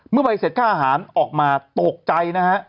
เมื่อไหร่เสร็จค่าอาหารออกมาตกใจนะครับ